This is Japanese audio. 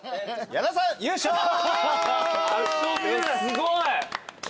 すごい。